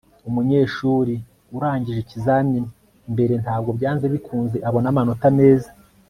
Umunyeshuri urangije ikizamini mbere ntabwo byanze bikunze abona amanota meza